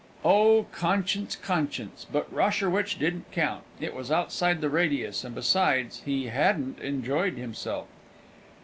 Oh, conscience, conscience! But Rosherwich didn't count it was outside the radius; and besides, he hadn't enjoyed himself.